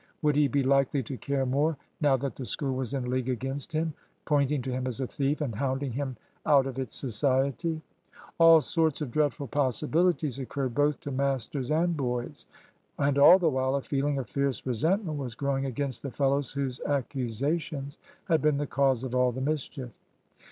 Would he be likely to care more, now that the School was in league against him, pointing to him as a thief, and hounding him out of its society? All sorts of dreadful possibilities occurred both to masters and boys; and all the while a feeling of fierce resentment was growing against the fellows whose accusations had been the cause of all the mischief.